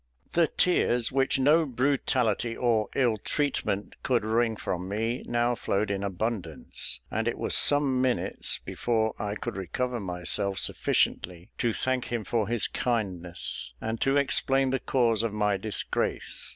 The tears which no brutality or ill treatment could wring from me, now flowed in abundance, and it was some minutes before I could recover myself sufficiently to thank him for his kindness, and to explain the cause of my disgrace.